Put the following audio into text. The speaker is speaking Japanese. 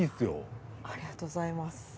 ありがとうございます。